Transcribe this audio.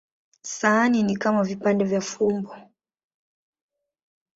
Sahani ni kama vipande vya fumbo.